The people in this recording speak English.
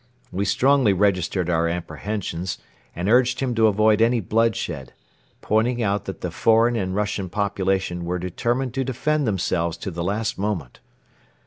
We strongly registered our apprehensions and urged him to avoid any bloodshed, pointing out that the foreign and Russian population were determined to defend themselves to the last moment.